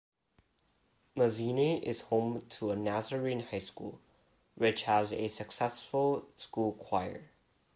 Manzini is home to a Nazarene High School, which has a successful school choir.